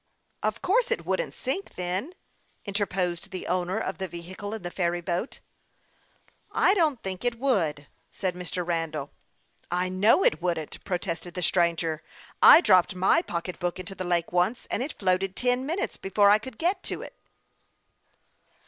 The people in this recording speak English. " Of course it wouldn't sink, then," interposed the owner of the vehicle in the ferry boat. " I don't think it would," said Mr. Randall, who had some doubts on this point. " I know it wouldn't," protested the stranger. " I dropped my pocketbook into the lake once, and it floated ten minutes before I could get it again."